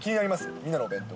みんなのお弁当。